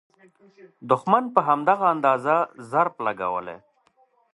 دوښمن په همدغه اندازه ضرب لګولی.